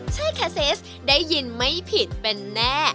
ใช่แคซิสได้ยินไม่ผิดเป็นแน่